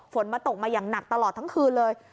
ฝนมาตกมาอย่างหนักตลอดทั้งคืนเลย